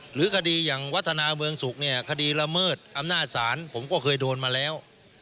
หรือคดีอย่างวัฒนาเมืองสุขเนี่ยคดีละเมิดอำนาจศาลผมก็เคยโดนมาแล้ว